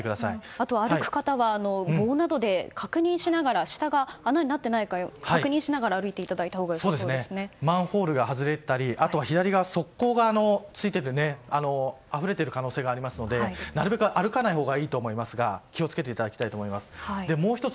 あとは歩く方は棒などで確認しながら下が穴になっていないか確認しながらマンホールが外れていたりあとは左側、側溝がついていてあふれている可能性がありますのでなるべく歩かないほうがいいと思いますが気を付けていただきたいと思います。